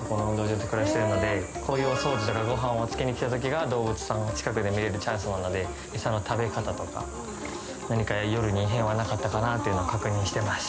こういうお掃除とかごはんをつけに来た時が動物さんを近くで見れるチャンスなのでエサの食べ方とか何か夜に異変はなかったかなっていうのを確認してます。